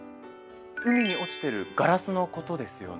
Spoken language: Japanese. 海に落ちてるガラスのことですよね。